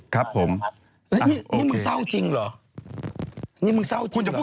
ก็ผมก็พึ่งได้ฟังสัมภาษณ์ข่าวนั่นแหละ